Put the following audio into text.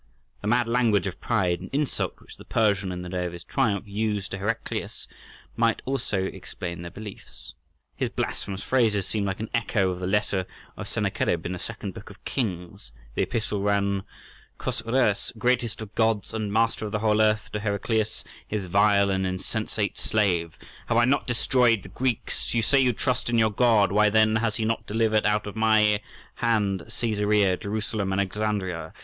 The mad language of pride and insult which the Persian in the day of his triumph used to Heraclius might also explain their belief. His blasphemous phrases seem like an echo of the letter of Sennacherib in the Second Book of Kings. The epistle ran:— "Chosroës, greatest of gods, and master of the whole earth, to Heraclius, his vile and insensate slave. Have I not destroyed the Greeks? You say you trust in your God: why, then, has he not delivered out of my hand Caesarea, Jerusalem, and Alexandria?